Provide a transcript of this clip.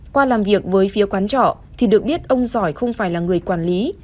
qua làm việc với phía quán trọ thì được biết ông giỏi không phải là người quản lý